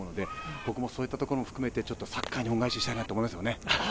僕もそういったところも含めてサッカーに恩返ししたいなと思いますよね。